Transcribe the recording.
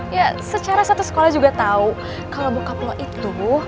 ya secara satu sekolah juga tau kalau bokap lo itu